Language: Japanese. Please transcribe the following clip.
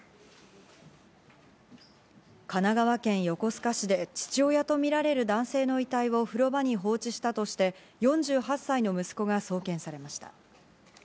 神奈川県横須賀市で父親とみられる男性の遺体を風呂場に放置したとして、４８歳の息子が送検されました。